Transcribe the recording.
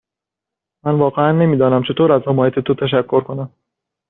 من واقعا نمی دانم چطور از حمایت تو تشکر کنم.